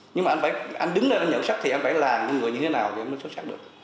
nhưng mà anh đứng lên anh nhận xuất thì anh phải làm người như thế nào thì anh mới xuất sắc được